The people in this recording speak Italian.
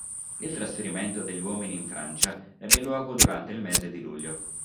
Il trasferimento degli uomini in Francia ebbe luogo durante il mese di luglio.